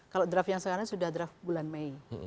kalau draft yang sekarang sudah draft bulan mei